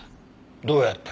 どうやって？